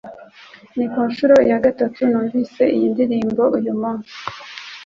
Ni ku nshuro ya gatatu numvise iyi ndirimbo uyu munsi